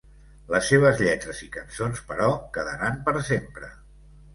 Les seves lletres i cançons, però, quedaran per sempre.